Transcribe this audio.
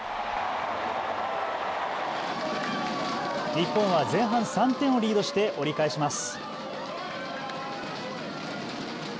日本は前半３点をリードして折り返します。